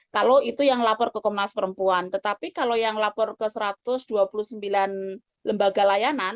kalau itu yang lapor ke komnas perempuan tetapi kalau yang lapor ke satu ratus dua puluh sembilan lembaga layanan